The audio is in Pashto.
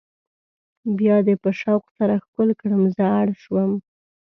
بیا دې په شوق سره ښکل کړم زه اړ شوم.